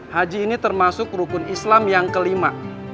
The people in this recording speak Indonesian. haji ini termasuk rukun islam yang kelima